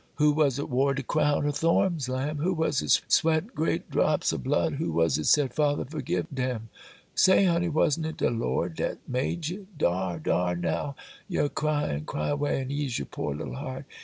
Who was it wore de crown o' thorns, lamb?—who was it sweat great drops o' blood?—who was it said, "Father, forgive dem"? Say, honey!—wasn't it de Lord dat made ye?—Dar, dar, now ye'r' cryin'!—cry away, and ease yer poor little heart!